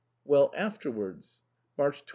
"Well, afterwards?" '"March 20.